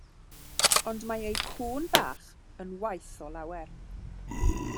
Ond mae eu cŵn bach yn waeth o lawer.